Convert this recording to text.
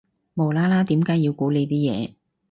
無啦啦點解要估你啲嘢